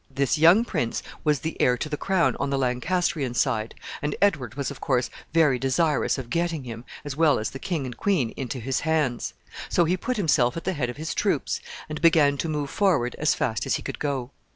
This young prince was the heir to the crown on the Lancastrian side, and Edward was, of course, very desirous of getting him, as well as the king and queen, into his hands; so he put himself at the head of his troops, and began to move forward as fast as he could go.